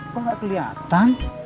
kok gak kelihatan